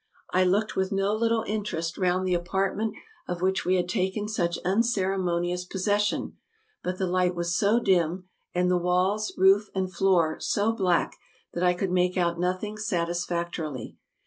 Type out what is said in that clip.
I looked with no little interest round the apartment of which we had taken such unceremonious possession ; but the light was so dim, and the walls, roof, and floor so black, that I could make out nothing satisfactorily.